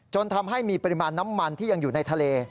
จนทำให้มีปริมาณน้ำมันที่ยังอยู่ในทะเล